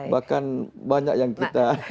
bahkan banyak yang kita